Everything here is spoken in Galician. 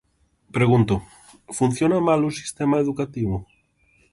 Pregunto, ¿funciona mal o sistema educativo?